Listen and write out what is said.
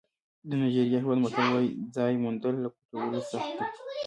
د نایجېریا هېواد متل وایي ځای موندل له پټولو سخت دي.